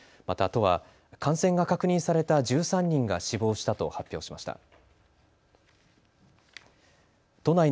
また都は感染が確認された１３人が死亡したと発表しました。